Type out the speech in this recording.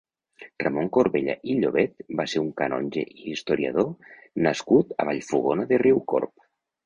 Ramon Corbella i Llobet va ser un canonge i historiador nascut a Vallfogona de Riucorb.